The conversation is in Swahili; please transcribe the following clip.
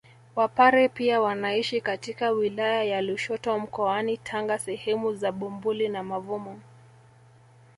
Wapare pia wanaishi katika wilaya ya Lushoto mkoani Tanga sehemu za Bumbuli na Mavumo